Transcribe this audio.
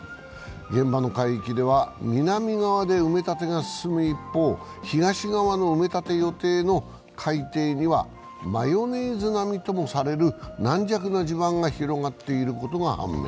現場の海域では南側で埋め立てが進む一方、東側の埋め立て予定の海底にはマヨネーズ並みともされる軟弱な地盤が広がっていることが判明。